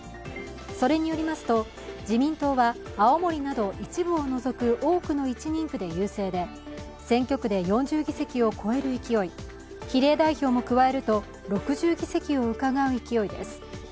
それによりますと自民党は青森など一部を除く多くの１人区で優勢で、選挙区で４０議席を超える勢い比例代表も加えると６０議席をうかがう勢いです。